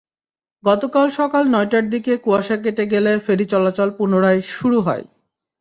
গতকাল সকাল নয়টার দিকে কুয়াশা কেটে গেলে ফেরি চলাচল পুনরায় শুরু হয়।